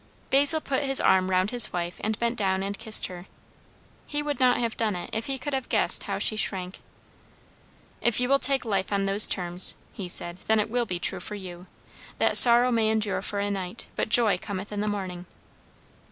Basil put his arm round his wife and bent down and kissed her. He would not have done it if he could have guessed how she shrank. "If you will take life on those terms," he said, "then it will be true for you, that 'sorrow may endure for a night, but joy cometh in the morning.'"